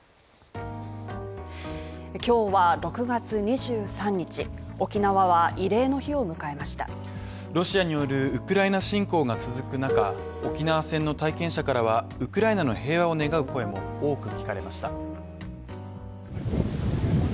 今日は６月２３日、沖縄は慰霊の日を迎えましたロシアによるウクライナ侵攻が続く中、沖縄戦の体験者からは、ウクライナの平和を願う声も多く聞かれました